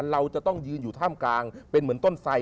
เราจะต้องยืนอยู่ท่ามกลางเป็นเหมือนต้นไส